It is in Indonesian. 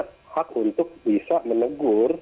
penumpang juga punya hak untuk bisa menegur